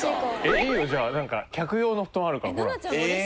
いいよじゃあなんか客用の布団あるからほらって。